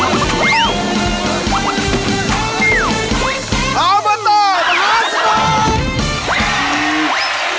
เอามาต่อมหาสนุก